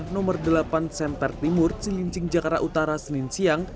nomor delapan semper timur cilincing jakarta utara senin siang